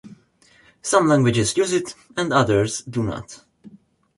Some languages use it and others do not.